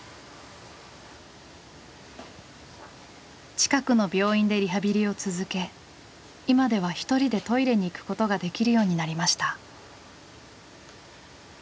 近くの病院でリハビリを続け今では一人でトイレに行くことができるようになりました。